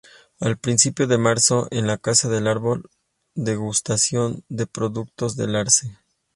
A principios de marzo, en la casa del árbol, degustación de productos del arce.